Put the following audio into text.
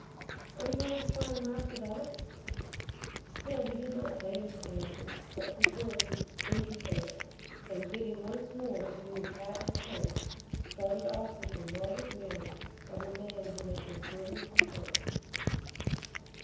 "Are you going to try and raffle that?" Still he did not deign to answer, but preserved his injured air, and getting once more into his hat and coat started off with the martyred manner of a man who has been driven from home.